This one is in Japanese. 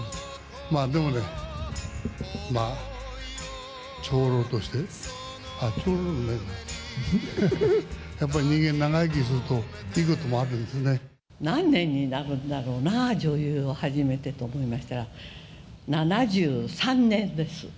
まあ、でもね、長老として、あっ、長老でもないか、やっぱり人間、長生きするといいこともあるんですね。何年になるんだろうな、女優を始めてと思いましたら、７３年です。